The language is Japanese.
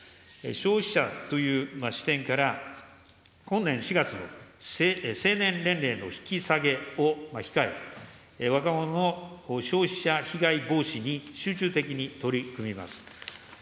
消費者という視点から、本年４月、成年年齢の引き下げを控え、若者の消費者被害防止に集中的に取り組みます。